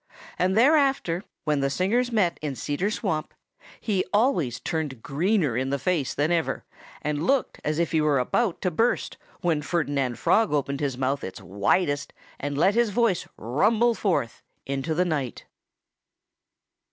And thereafter when the singers met in Cedar Swamp he always turned greener in the face than ever and looked as if he were about to burst, when Ferdinand Frog opened his mouth its widest and let his voice rumble forth into the night.